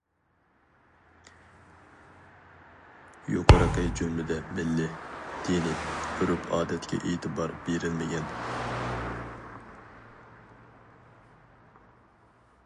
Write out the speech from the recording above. يۇقىرىقى جۈملىدە مىللىي، دىنىي ئۆرپ-ئادەتكە ئېتىبار بېرىلمىگەن.